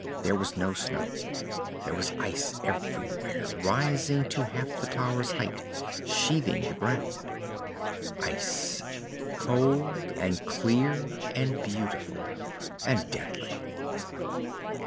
There was no snow. There was ice everywhere, rising to half the tower's height, sheathing the ground. Ice. Cold and clear and beautiful and deadly.